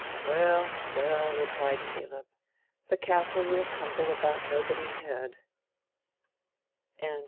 "Well, well," replied Caleb; "the castle will tumble about nobody's head."